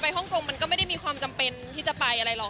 ต่อไปห้องโกงก็ไม่มีความจำเป็นที่จะไปอะไรหรอก